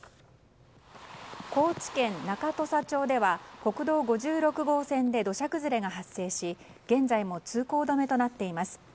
高知県中土佐町では国道５６号線で土砂崩れが発生し現在も通行止めとなっています。